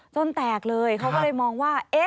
แตกเลยเขาก็เลยมองว่า